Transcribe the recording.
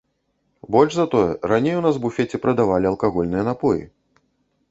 Больш за тое, раней у нас у буфеце прадавалі алкагольныя напоі.